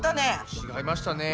ちがいましたね。